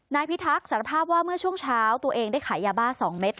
พิทักษ์สารภาพว่าเมื่อช่วงเช้าตัวเองได้ขายยาบ้า๒เม็ด